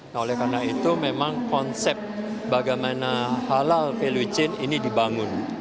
nah oleh karena itu memang konsep bagaimana halal value chain ini dibangun